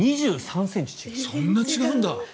そんな違うんだ？